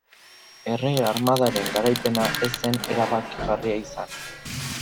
Errege armadaren garaipena ez zen erabakigarria izan.